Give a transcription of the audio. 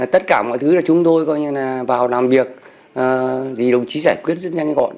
tất cả mọi thứ là chúng tôi vào làm việc đồng chí giải quyết rất nhanh gọn